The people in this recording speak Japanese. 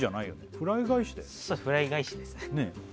フライ返しですね